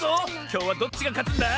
きょうはどっちがかつんだ？